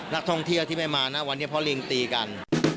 นักท่องเที่ยวที่ไม่มานะวันนี้เพราะลิงตีกัน